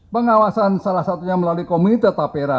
pengawasan salah satunya melalui komite tapera